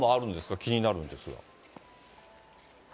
気になるんですが。